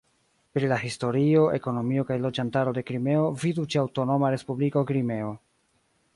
Pri la historio, ekonomio kaj loĝantaro de Krimeo vidu ĉe Aŭtonoma Respubliko Krimeo.